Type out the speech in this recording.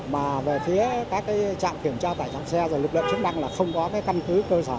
mà về phía các trạm kiểm tra tải trọng xe rồi lực lượng chức năng là không có cái căn cứ cơ sở